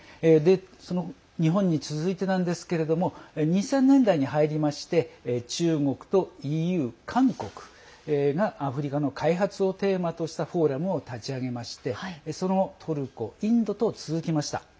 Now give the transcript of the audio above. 日本に続いてなんですけれども２０００年代に入りまして中国とＥＵ韓国がアフリカの開発をテーマとしたフォーラムを立ち上げましてその後、トルコインドと続きました。